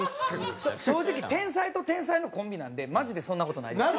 正直天才と天才のコンビなんでマジでそんな事ないです。